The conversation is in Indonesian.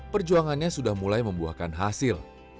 perjuangannya sudah mulai membuahkan hasil